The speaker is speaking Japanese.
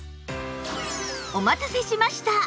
お待たせしました！